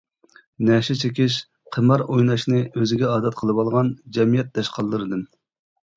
نەشە چېكىش، قىمار ئويناشنى ئۆزىگە ئادەت قىلىۋالغان جەمئىيەت داشقاللىرىدىن.